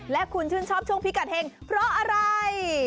และคุณชื่นชอบช่วงพิกัดเห็งเพราะอะไร